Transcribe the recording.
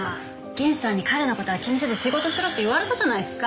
源さんに彼のことは気にせず仕事しろって言われたじゃないっすか。